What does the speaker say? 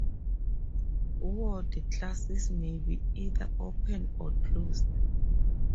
Word classes may be either open or closed.